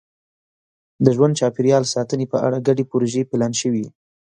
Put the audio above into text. د ژوند چاپېریال ساتنې په اړه ګډې پروژې پلان شوي.